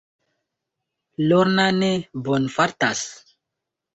Lorna ne bonfartas.